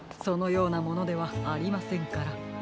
そのようなものではありませんから。